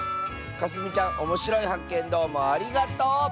かすみちゃんおもしろいはっけんどうもありがとう！